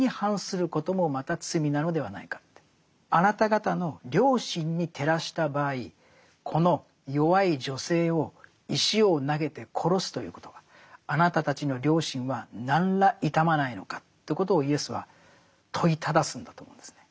あなた方の良心に照らした場合この弱い女性を石を投げて殺すということはあなたたちの良心は何ら痛まないのかということをイエスは問いただすんだと思うんですね。